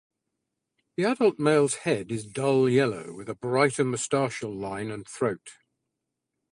The adult male's head is dull yellow, with a brighter moustachial line and throat.